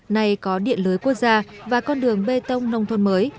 nay có điện lưới quốc gia và con đường bê tông nông thôn mới